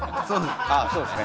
ああそうですね。